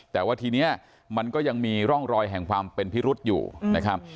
แต่ว่าทีนี้มันก็ยังมีร่องรอยแห่งความเป็นพิรุษอยู่นะครับ